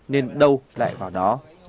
nên đâu lại vào đó